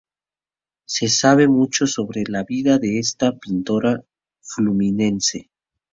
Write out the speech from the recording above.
Se sabe mucho sobre la vida de esta pintora fluminense.